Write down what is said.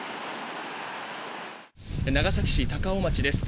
長崎市高尾町です。